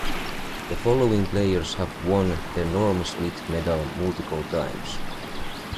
The following players have won the Norm Smith Medal multiple times.